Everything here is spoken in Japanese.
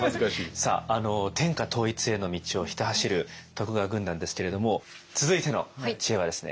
さあ天下統一への道をひた走る徳川軍団ですけれども続いての知恵はですね